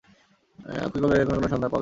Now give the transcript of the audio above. অক্ষয় কহিল, এখনো কোনো সন্ধান পাওয়া গেল না।